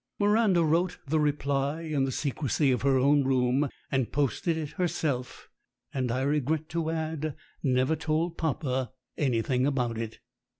Miranda wrote the reply in the secrecy of her own room, and posted it herself, and I regret to add never told papa anything about it.